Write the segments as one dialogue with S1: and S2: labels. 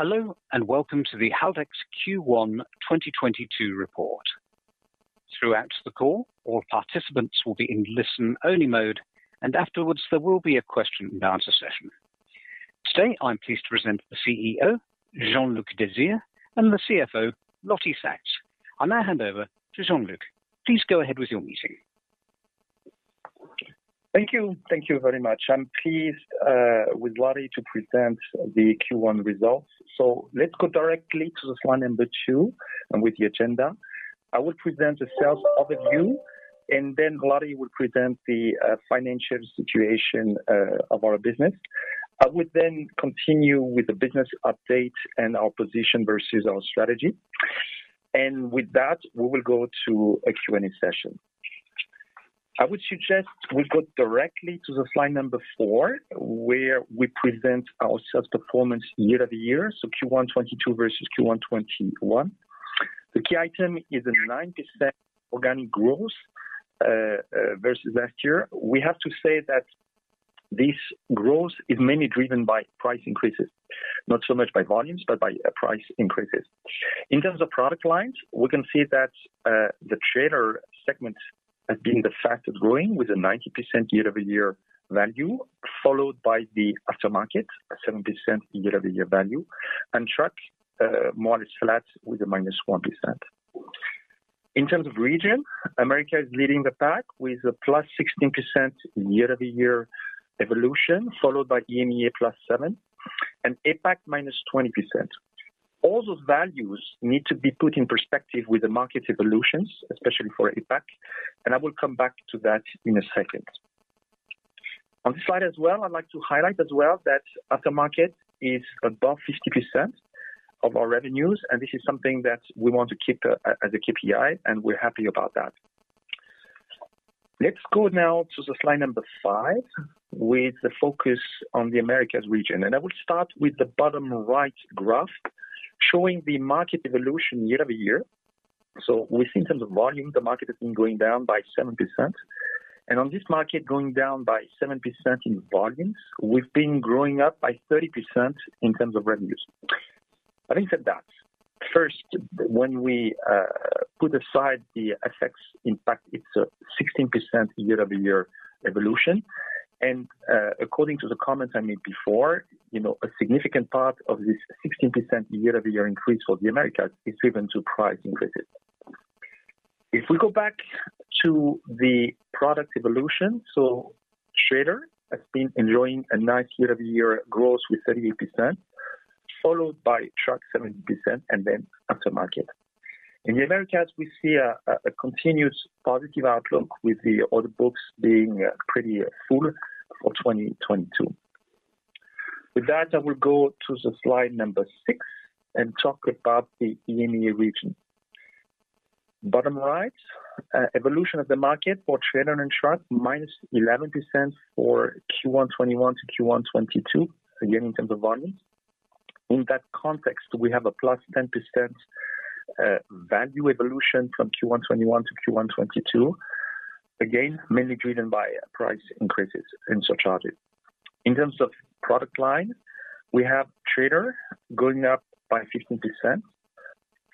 S1: Hello, and welcome to the Haldex Q1 2022 report. Throughout the call, all participants will be in listen-only mode, and afterwards there will be a question and answer session. Today, I'm pleased to present the CEO, Jean-Luc Dezert, and the CFO, Lottie Saks. I'll now hand over to Jean-Luc. Please go ahead with your meeting.
S2: Thank you. Thank you very much. I'm pleased with Lottie to present the Q1 results. Let's go directly to the slide number 2, and with the agenda. I will present the sales overview, and then Lottie will present the financial situation of our business. I would then continue with the business update and our position versus our strategy. With that, we will go to a Q&A session. I would suggest we go directly to the slide number 4, where we present our sales performance -over-, so Q1 2022 versus Q1 2021. The key item is a 90% organic growth versus last year. We have to say that this growth is mainly driven by price increases, not so much by volumes, but by price increases. In terms of product lines, we can see that the trailer segment has been the fastest-growing with a 90% year-over-year value, followed by the aftermarket at 7% year-over-year value. Truck, more or less flat with a -1%. In terms of region, America is leading the pack with a +16% year-over-year evolution, followed by EMEA +7% and APAC -20%. All those values need to be put in perspective with the market evolutions, especially for APAC, and I will come back to that in a second. On this slide as well, I'd like to highlight as well that aftermarket is above 50% of our revenues, and this is something that we want to keep as a KPI, and we're happy about that. Let's go now to the slide number 5, with the focus on the Americas region. I will start with the bottom right graph, showing the market evolution year-over-year. We see in terms of volume, the market has been going down by 7%. On this market going down by 7% in volumes, we've been growing by 30% in terms of revenues. Having said that, first, when we put aside the effects, in fact, it's a 16% year-over-year evolution. According to the comments I made before, a significant part of this 16% year-over-year increase for the Americas is driven by price increases. If we go back to the product evolution, trailer has been enjoying a nice year-over-year growth with 38%, followed by truck, 17%, and then aftermarket. In the Americas, we see a continuous positive outlook with the order books being pretty full for 2022. With that, I will go to the slide number 6 and talk about the EMEA region. Bottom right, evolution of the market for trailer and truck, -11% for Q1 2021 to Q1 2022, again, in terms of volumes. In that context, we have a +10%, value evolution from Q1 2021 to Q1 2022. Again, mainly driven by price increases and surcharges. In terms of product line, we have trailer going up by 15%,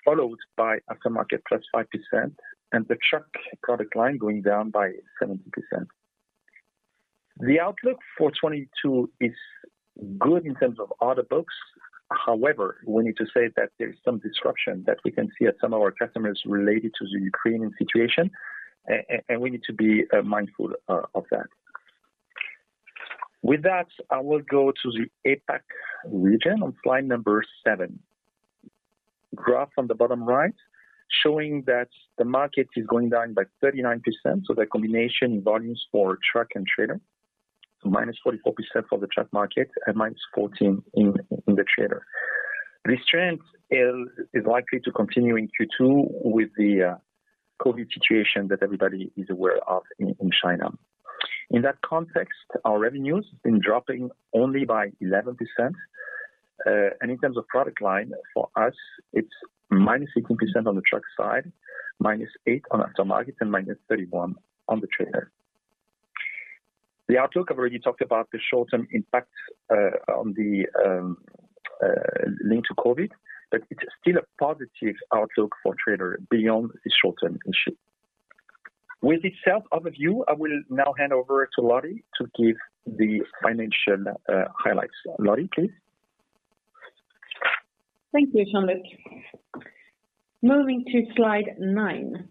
S2: followed by aftermarket +5%, and the truck product line going down by 17%. The outlook for 2022 is good in terms of order books. However, we need to say that there is some disruption that we can see at some of our customers related to the Ukrainian situation, and we need to be, mindful of that. With that, I will go to the APAC region on slide number seven. Graph on the bottom right, showing that the market is going down by 39%, so the combination volumes for truck and trailer, so -44% for the truck market and -14% in the trailer. This trend is likely to continue in Q2 with the COVID situation that everybody is aware of in China. In that context, our revenue's been dropping only by 11%. In terms of product line, for us, it's -16% on the truck side, -8% on aftermarket, and -31% on the trailer. The outlook, I've already talked about the short-term impact on the one linked to COVID, but it's still a positive outlook for trailer beyond the short-term issue. With this sales overview, I will now hand over to Lottie to give the financial highlights. Lottie, please.
S3: Thank you, Jean-Luc. Moving to slide nine.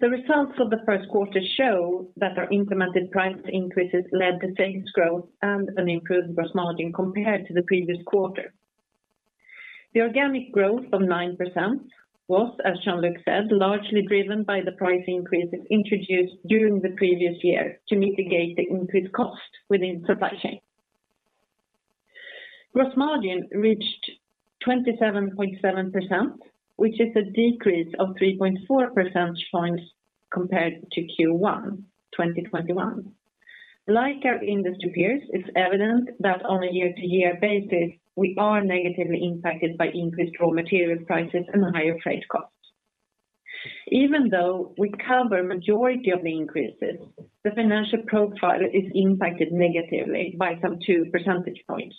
S3: The results of the first show that our implemented price increases led to sales growth and an improved gross margin compared to the previous quarter. The organic growth of 9% was, as Jean-Luc said, largely driven by the price increases introduced during the previous year to mitigate the increased cost within supply chain. Gross margin reached 27.7%, which is a decrease of 3.4 percentage points compared to Q1 2021. Like our industry peers, it's evident that on a year-to-year basis, we are negatively impacted by increased raw material prices and higher freight costs. Even though we cover majority of the increases, the financial profile is impacted negatively by some 2 percentage points.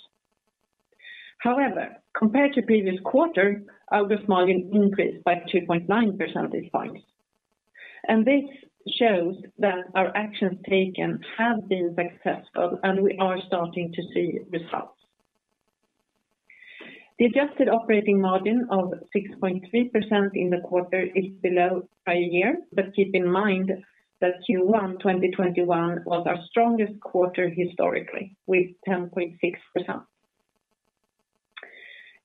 S3: However, compared to previous quarter, our gross margin increased by 2.9 percentage points. This shows that our actions taken have been successful and we are starting to see results. The adjusted operating margin of 6.3% in the quarter is below prior year. Keep in mind that Q1 2021 was our strongest quarter historically, with 10.6%.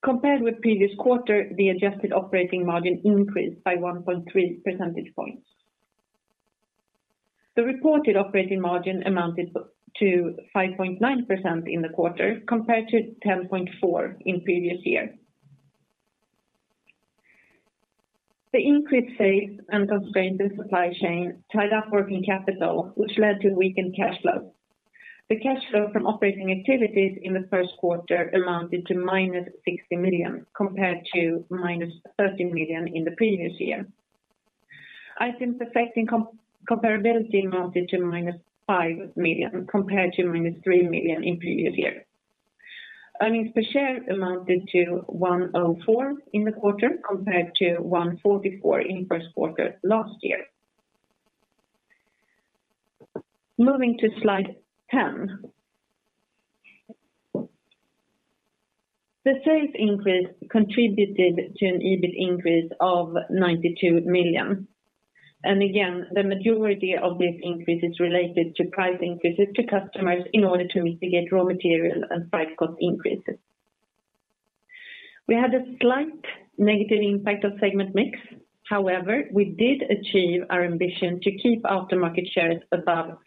S3: Compared with previous quarter, the adjusted operating margin increased by 1.3 percentage points. The reported operating margin amounted to 5.9% in the quarter, compared to 10.4% in previous year. The increased sales and constrained supply chain tied up working capital, which led to weakened cash flow. The cash flow from operating activities in the Q1 amounted to -60 million, compared to -30 million in the previous year. Items affecting comparability amounted to -5 million, compared to -3 million in previous year. Earnings per share amounted to 1.04 in the quarter, compared to 1.44 in Q1 last year. Moving to slide 10. The sales increase contributed to an EBIT increase of 92 million. Again, the majority of this increase is related to price increases to customers in order to mitigate raw material and price cost increases. We had a slight negative impact of segment mix. However, we did achieve our ambition to keep aftermarket shares above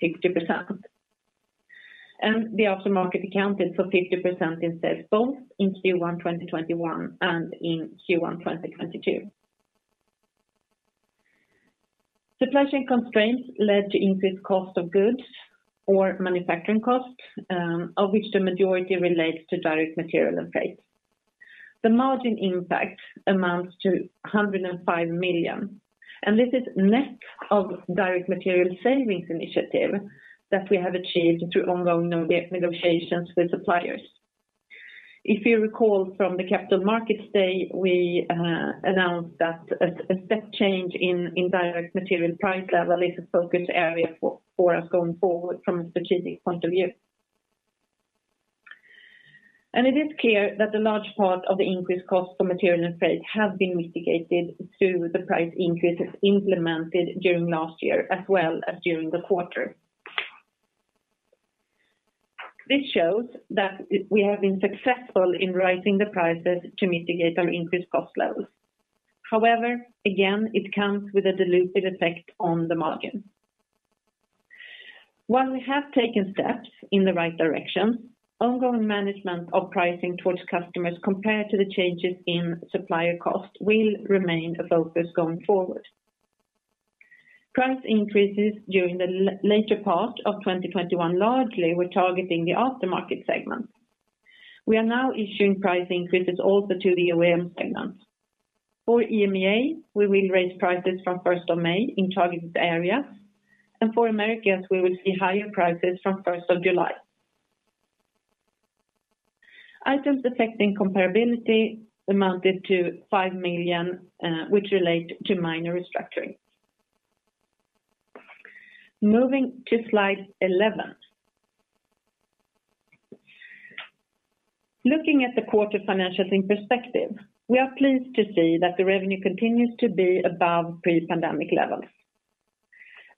S3: 60%. The aftermarket accounted for 50% in sales both in Q1 2021 and in Q1 2022. Supply chain constraints led to increased cost of goods or manufacturing costs, of which the majority relates to direct material and freight. The margin impact amounts to 105 million, and this is net of direct material savings initiative that we have achieved through ongoing negotiations with suppliers. If you recall from the Capital Markets Day, we announced that a step change in direct material price level is a focus area for us going forward from a strategic point of view. It is clear that a large part of the increased cost of material and freight has been mitigated through the price increases implemented during last year as well as during the quarter. This shows that we have been successful in raising the prices to mitigate our increased cost levels. However, again, it comes with a dilutive effect on the margin. While we have taken steps in the right direction, ongoing management of pricing towards customers compared to the changes in supplier costs will remain a focus going forward. Price increases during the later part of 2021 largely were targeting the aftermarket segment. We are now issuing price increases also to the OEM segment. For EMEA, we will raise prices from first of May in targeted areas, and for Americas, we will see higher prices from first of July. Items affecting comparability amounted to 5 million, which relate to minor restructuring. Moving to slide 11. Looking at the quarter financials in perspective, we are pleased to see that the revenue continues to be above pre-pandemic levels.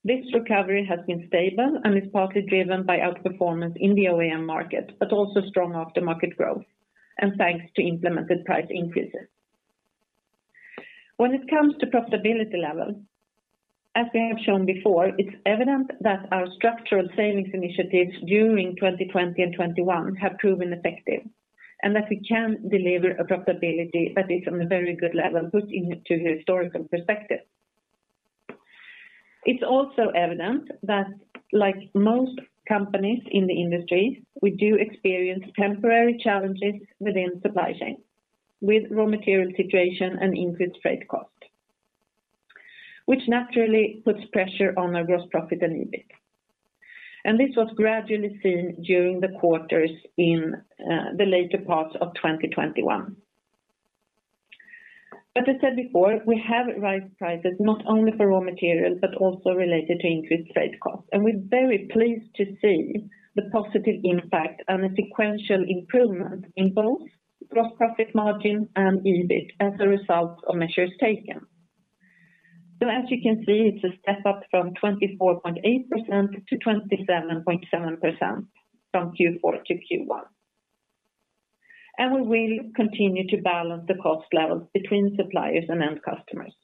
S3: This recovery has been stable and is partly driven by outperformance in the OEM market, but also strong aftermarket growth and thanks to implemented price increases. When it comes to profitability level, as we have shown before, it's evident that our structural savings initiatives during 2020 and 2021 have proven effective, and that we can deliver a profitability that is on a very good level put into historical perspective. It's also evident that like most companies in the industry, we do experience temporary challenges within supply chain with raw material situation and increased freight costs, which naturally puts pressure on our gross profit and EBIT. This was gradually seen during the quarters in the later parts of 2021. As said before, we have raised prices not only for raw materials, but also related to increased freight costs. We're very pleased to see the positive impact and a sequential improvement in both gross profit margin and EBIT as a result of measures taken. As you can see, it's a step up from 24.8% to 27.7% from Q4 to Q1. We will continue to balance the cost levels between suppliers and end customers.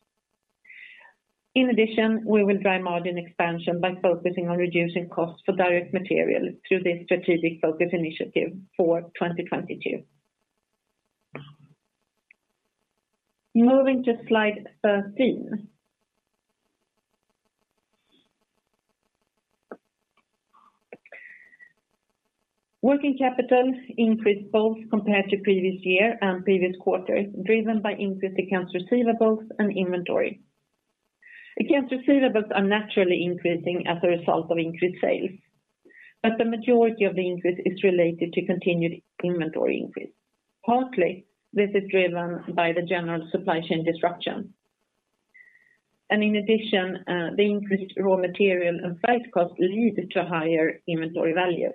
S3: In addition, we will drive margin expansion by focusing on reducing costs for direct material through this strategic focus initiative for 2022. Moving to slide 13. Working capital increased both compared to previous year and previous quarter, driven by increased accounts receivables and inventory. Accounts receivables are naturally increasing as a result of increased sales, but the majority of the increase is related to continued inventory increase. Partly, this is driven by the general supply chain disruption. In addition, the increased raw material and site costs lead to higher inventory value.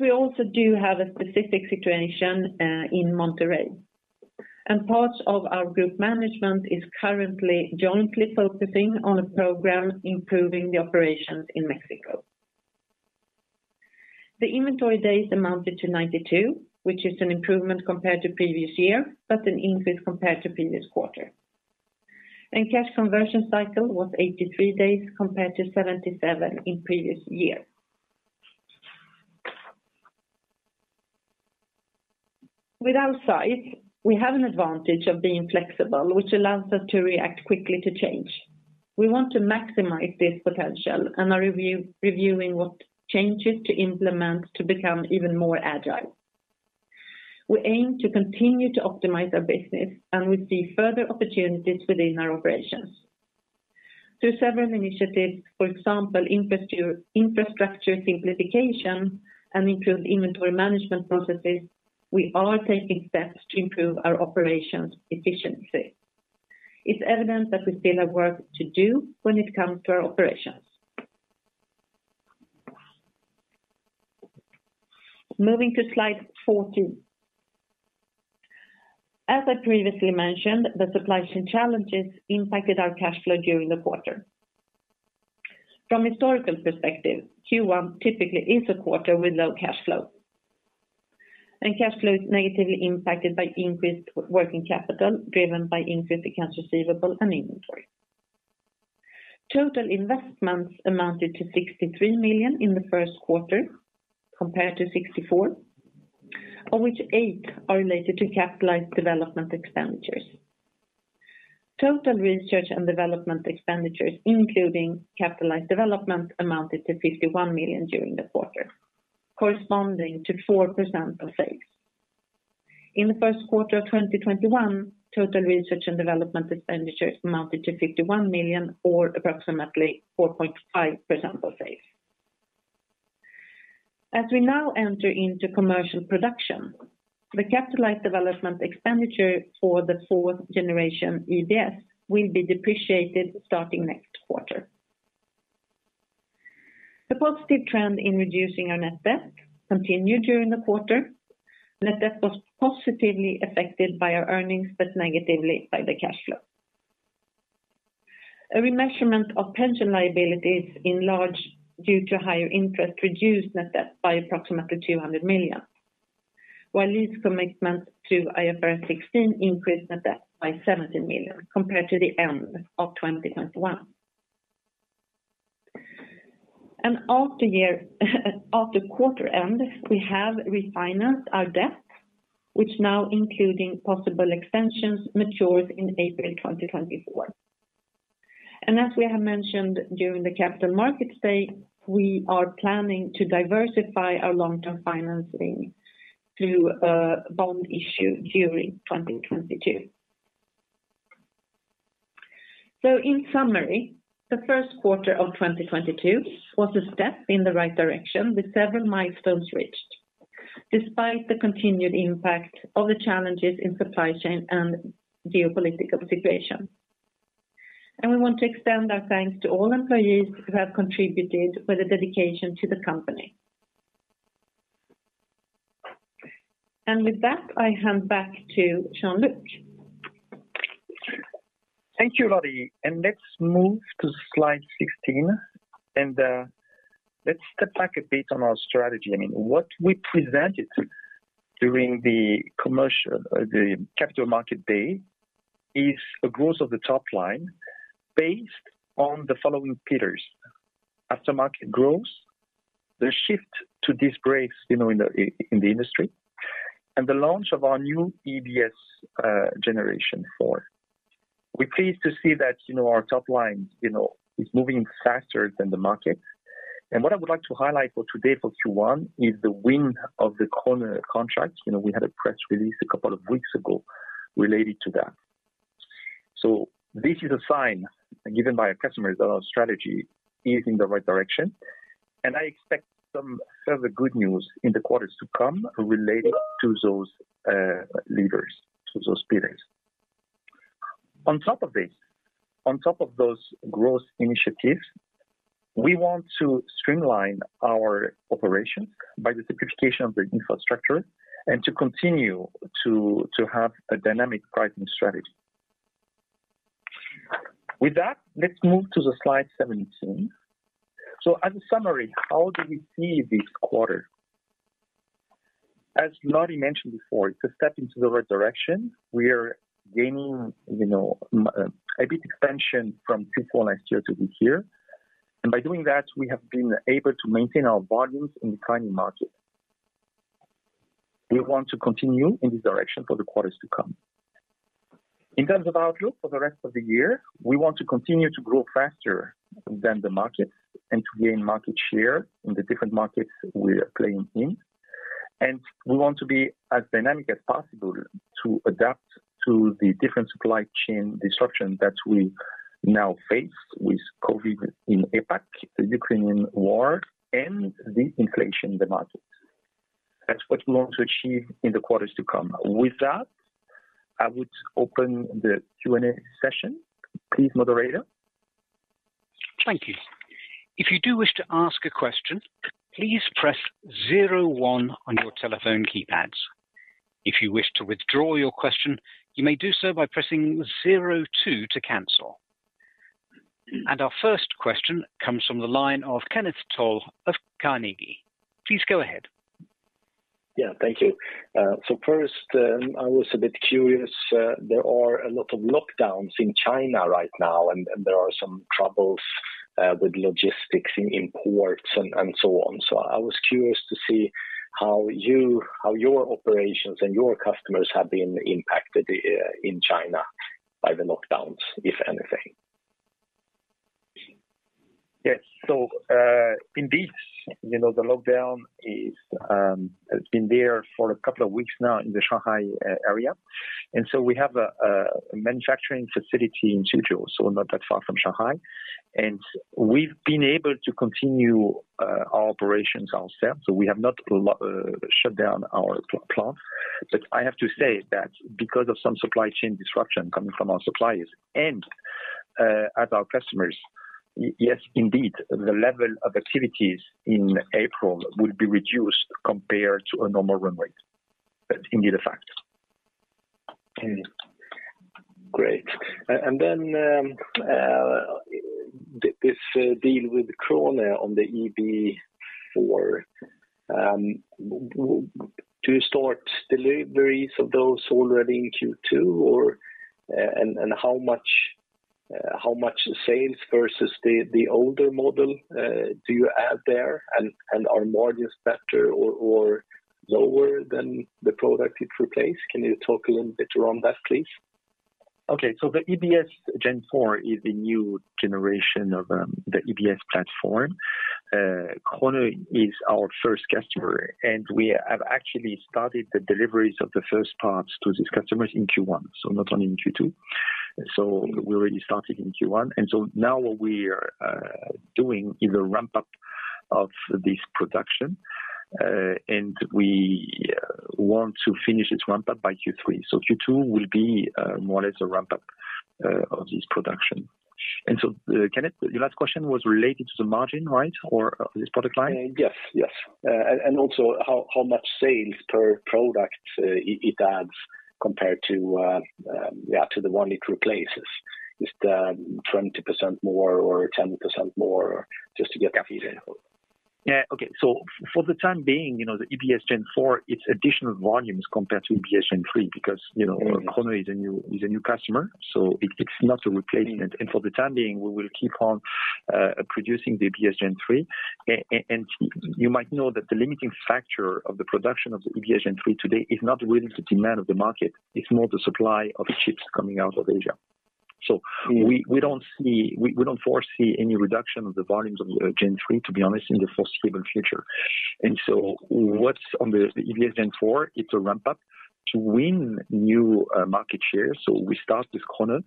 S3: We also do have a specific situation in Monterrey, and parts of our group management is currently jointly focusing on a program improving the operations in Mexico. The inventory days amounted to 92, which is an improvement compared to previous year, but an increase compared to previous quarter. Cash conversion cycle was 83 days compared to 77 in previous year. With our size, we have an advantage of being flexible, which allows us to react quickly to change. We want to maximize this potential and are reviewing what changes to implement to become even more agile. We aim to continue to optimize our business and we see further opportunities within our operations. Through several initiatives, for example, infrastructure simplification and improved inventory management processes, we are taking steps to improve our operations efficiency. It's evident that we still have work to do when it comes to our operations. Moving to slide 14. As I previously mentioned, the supply chain challenges impacted our cash flow during the quarter. From historical perspective, Q1 typically is a quarter with low cash flow. Cash flow is negatively impacted by increased working capital, driven by increased accounts receivable and inventory. Total investments amounted to 63 million in the Q1 compared to 64 million, of which 8 are related to capitalized development expenditures. Total research and development expenditures, including capitalized development, amounted to 51 million during the quarter, corresponding to 4% of sales. In the first quarter of 2021, total research and development expenditures amounted to 51 million or approximately 4.5% of sales. As we now enter into commercial production, the capitalized development expenditure for the fourth generation EBS will be depreciated starting next quarter. The positive trend in reducing our net debt continued during the quarter. Net debt was positively affected by our earnings, but negatively by the cash flow. A remeasurement of pension liabilities enlarged due to higher interest reduced net debt by approximately 200 million. While lease commitment to IFRS 16 increased net debt by 17 million compared to the end of 2021. At the quarter end, we have refinanced our debt, which now including possible extensions matures in April 2024. As we have mentioned during the Capital Markets Day, we are planning to diversify our long-term financing through a bond issue during 2022. In summary, the Q1 of 2022 was a step in the right direction with several milestones reached, despite the continued impact of the challenges in supply chain and geopolitical situation. We want to extend our thanks to all employees who have contributed with a dedication to the company. With that, I hand back to Jean-Luc.
S2: Thank you, Lottie. Let's move to slide 16 and let's step back a bit on our strategy. I mean, what we presented during the Capital Markets Day is a growth of the top line based on the following pillars: aftermarket growth, the shift to disc brake, in the industry, and the launch of our new EBS generation four. We're pleased to see that, our top line, is moving faster than the market. What I would like to highlight for today for Q1 is the win of the Krone contracts. You know, we had a press release a couple of weeks ago related to that. This is a sign given by our customers that our strategy is in the right direction, and I expect some further good news in the quarters to come related to those levers, to those pillars. On top of this, on top of those growth initiatives, we want to streamline our operation by the simplification of the infrastructure and to continue to have a dynamic pricing strategy. With that, let's move to the slide 17. As a summary, how do we see this quarter? As Lottie mentioned before, it's a step in the right direction. We are gaining, margin expansion from Q4 last year to be here. By doing that, we have been able to maintain our volumes in the current market. We want to continue in this direction for the quarters to come. In terms of outlook for the rest of the year, we want to continue to grow faster than the market and to gain market share in the different markets we are playing in. We want to be as dynamic as possible to adapt to the different supply chain disruption that we now face with COVID in APAC, the Ukrainian war and the inflation in the market. That's what we want to achieve in the quarters to come. With that, I would open the Q&A session. Please, moderator.
S1: Thank you. If you do wish to ask a question, please press zero one on your telephone keypads. If you wish to withdraw your question, you may do so by pressing zero two to cancel. Our first question comes from the line of Kenneth Toll Johansson of Carnegie. Please go ahead.
S4: Yeah, thank you. First, I was a bit curious. There are a lot of lockdowns in China right now, and there are some troubles with logistics in imports and so on. I was curious to see how your operations and your customers have been impacted in China by the lockdowns, if anything.
S2: Yes. Indeed, you know, the lockdown is, has been there for a couple of weeks now in the Shanghai area. We have a manufacturing facility in Suzhou, so not that far from Shanghai. We've been able to continue our operations ourselves. We have not shut down our plant. I have to say that because of some supply chain disruption coming from our suppliers and at our customers, yes, indeed, the level of activities in April will be reduced compared to a normal run rate. That's indeed a fact.
S4: Great. This deal with KRONE on the EB+ 4.0, do you start deliveries of those already in Q2 or how much sales versus the older model do you add there? Are margins better or lower than the product it replaced? Can you talk a little bit around that, please?
S2: Okay. The EB+ 4.0 is the new generation of the EBS platform. KRONE is our first customer, and we have actually started the deliveries of the first parts to these customers in Q1, so not only in Q2. We already started in Q1. Kenneth, your last question was related to the margin, right? For this product line.
S4: Yes. Also, how much sales per product it adds compared to the one it replaces. Is there 20% more or 10% more just to get a feel?
S2: Yeah. Okay. For the time being, the EB+ 4.0, its additional volumes compared to EB+ Gen 3 because, KRONE is a new customer, so it's not a replacement. For the time being, we will keep on producing the EB+ Gen 3. You might know that the limiting factor of the production of the EB+ Gen 3 today is not really the demand of the market, it's more the supply of chips coming out of Asia. We don't foresee any reduction of the volumes of Gen 3, to be honest, in the foreseeable future. What's on the EB+ 4.0, it's a ramp-up to win new market share. We start with KRONE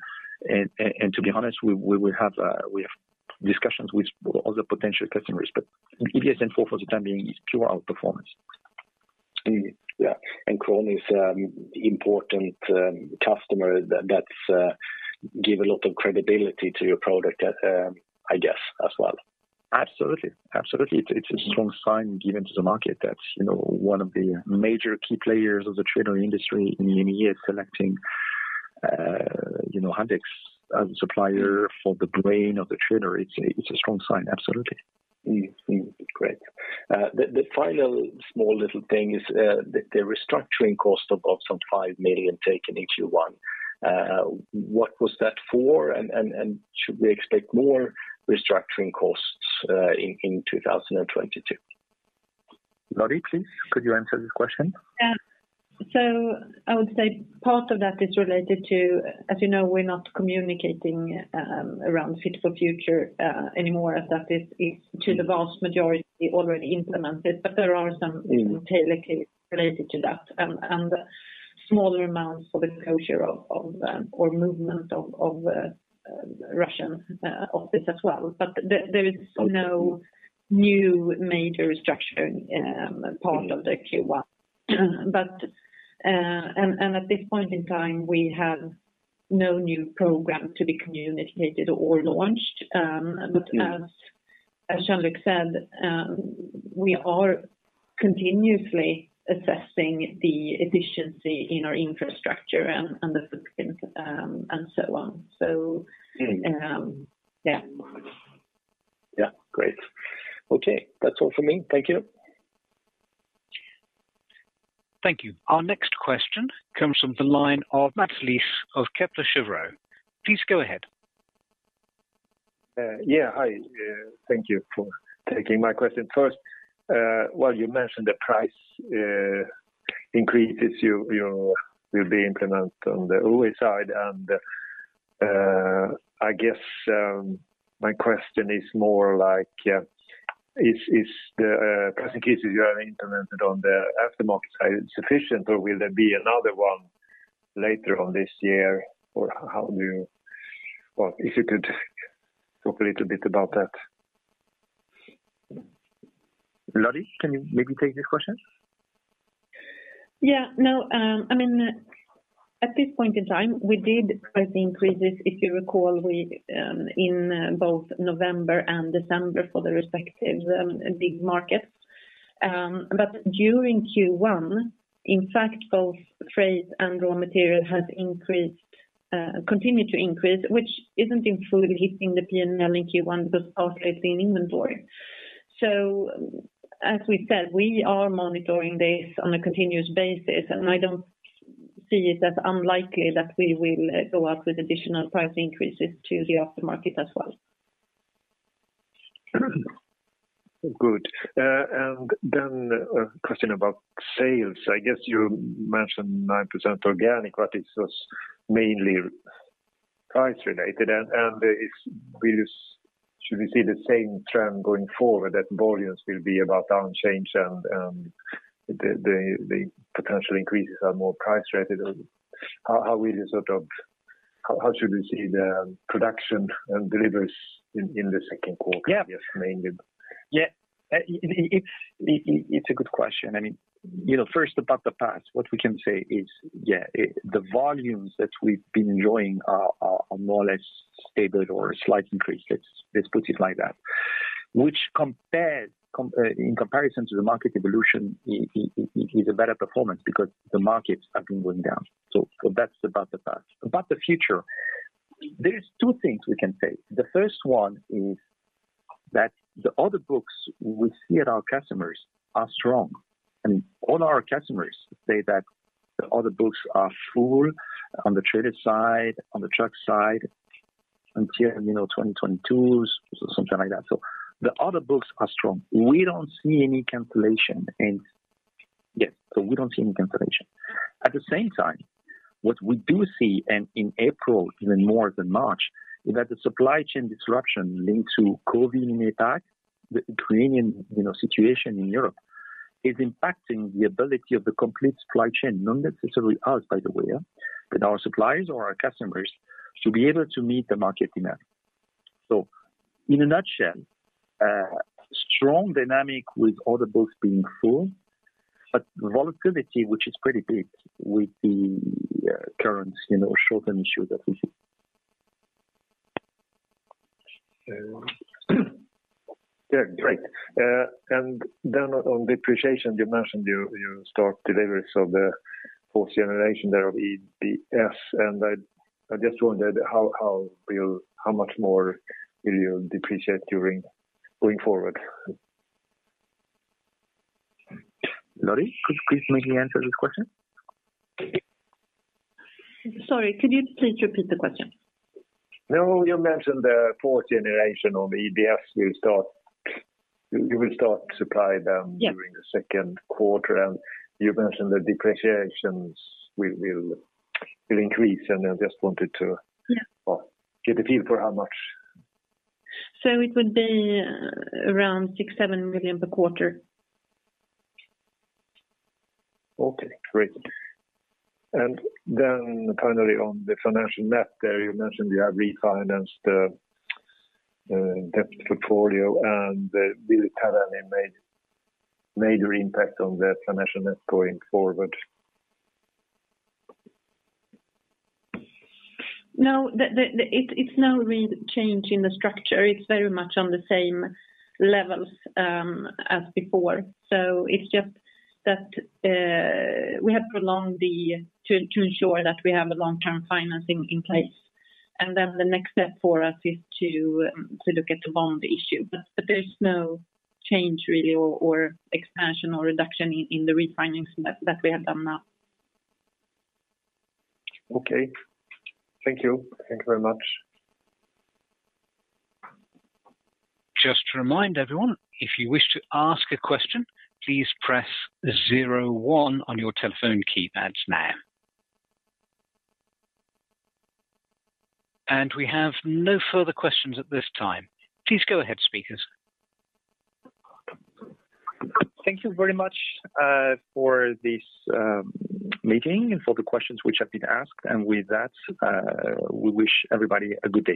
S2: and to be honest, we have discussions with other potential customers. EB+ 4.0 for the time being is pure outperformance.
S4: Mm-hmm. Yeah. KRONE is important customer that give a lot of credibility to your product, I guess, as well.
S2: Absolutely. It's a strong sign given to the market that, one of the major key players of the trailer industry in many years selecting, Haldex as a supplier for the brain of the trailer. It's a strong sign, absolutely.
S4: Great. The final small little thing is the restructuring cost of some 5 million taken in Q1. What was that for? Should we expect more restructuring costs in 2022?
S2: Lottie, please, could you answer this question?
S3: Yeah. I would say part of that is related to, as you know, we're not communicating around Fit for Future anymore as that is, to the vast majority, already implemented. There are some tail risks related to that and smaller amounts for the closure or movement of Russian office as well. There is no new major restructuring part of the Q1. At this point in time, we have no new program to be communicated or launched. As Jean-Luc said, we are continuously assessing the efficiency in our infrastructure and the footprint and so on. Yeah.
S4: Yeah. Great. Okay. That's all for me. Thank you.
S1: Thank you. Our next question comes from the line of Mats Liss of Kepler Cheuvreux. Please go ahead.
S5: Yeah. Hi, thank you for taking my question. First, well, you mentioned the price increases you will be implementing on the OE side. I guess, my question is more like, is the price increases you have implemented on the aftermarket side sufficient or will there be another one later on this year or how do you. Well, if you could talk a little bit about that.
S2: Lottie, can you maybe take this question?
S3: Yeah. No, I mean, at this point in time, we did price increases, if you recall, we in both November and December for the respective big markets. During Q1, in fact, both freight and raw material has increased, continued to increase, which isn't fully hitting the PNL in Q1 because partially it's in inventory. As we said, we are monitoring this on a continuous basis, and I don't see it as unlikely that we will go up with additional price increases to the aftermarket as well.
S5: Good. A question about sales. I guess you mentioned 9% organic, but it was mainly price related. Should we see the same trend going forward that volumes will be about unchanged, and the potential increases are more price related? How should we see the production and deliveries in the Q2?
S2: Yeah.
S5: Just mainly.
S2: Yeah, it's a good question. I mean, you know, first about the past, what we can say is, yeah, the volumes that we've been enjoying are more or less stable or slight increase. Let's put it like that. Which, in comparison to the market evolution, is a better performance because the markets have been going down. That's about the past. About the future, there's two things we can say. The first one is that the order books we see at our customers are strong, and all our customers say that the order books are full on the trailer side, on the truck side, until, you know, 2022s or something like that. The order books are strong. We don't see any cancellation. Yeah, we don't see any cancellation. At the same time, what we do see, and in April even more than March, is that the supply chain disruption linked to COVID impact, the Ukrainian, you know, situation in Europe, is impacting the ability of the complete supply chain, not necessarily us, by the way, but our suppliers or our customers to be able to meet the market demand. In a nutshell, strong dynamic with order books being full, but volatility, which is pretty big with the, you know, shortage issue that we see.
S5: Yeah, great. On depreciation, you mentioned you start deliveries of the fourth generation of EBS, and I just wondered how much more will you depreciate going forward?
S2: Lottie Saks, could you please maybe answer this question?
S3: Sorry, could you please repeat the question?
S5: No, you mentioned the fourth generation of EBS will start. You will start to supply them-
S3: Yeah.
S5: During the Q2, and you mentioned the depreciations will increase. I just wanted to-
S3: Yeah.
S5: get a feel for how much.
S3: It would be around 6-7 million per quarter.
S5: Okay, great. Finally on the financial net there, you mentioned you have refinanced debt portfolio and will it have any major impact on the financial net going forward?
S3: No. It's no real change in the structure. It's very much on the same levels as before. It's just that we have prolonged to ensure that we have a long-term financing in place. Then the next step for us is to look at the bond issue. There's no change really or expansion or reduction in the refinancing that we have done now.
S5: Okay. Thank you. Thank you very much.
S1: Just to remind everyone, if you wish to ask a question, please press zero-one on your telephone keypads now. We have no further questions at this time. Please go ahead, speakers.
S2: Thank you very much for this meeting and for the questions which have been asked. With that, we wish everybody a good day.